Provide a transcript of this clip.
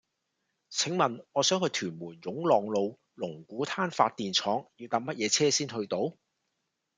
請問我想去屯門湧浪路龍鼓灘發電廠要搭乜嘢車先去到